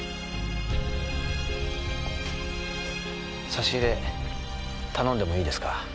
差し入れ頼んでもいいですか？